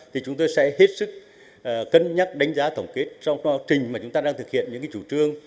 thì chúng tôi sẽ hết sức cân nhắc đánh giá tổng kết trong quá trình mà chúng ta đang thực hiện những chủ trương